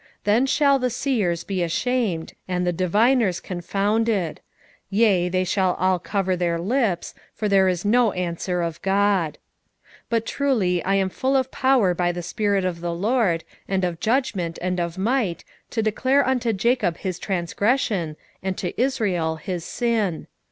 3:7 Then shall the seers be ashamed, and the diviners confounded: yea, they shall all cover their lips; for there is no answer of God. 3:8 But truly I am full of power by the spirit of the LORD, and of judgment, and of might, to declare unto Jacob his transgression, and to Israel his sin.